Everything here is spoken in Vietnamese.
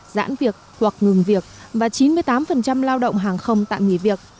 giãn việc hoặc ngừng việc và chín mươi tám lao động hàng không tạm nghỉ việc